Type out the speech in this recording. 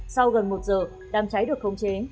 sau gần một giờ đàm cháy được khống chế